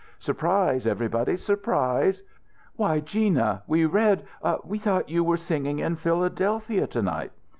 "Surprise everybody surprise!" "Why, Gina we read we thought you were singing in Philadelphia to night!"